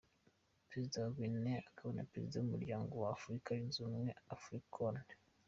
Perezida wa Guinea akaba na Perezida w’Umuryango wa Afurika Yunze Ubumwe, Alpha Conde.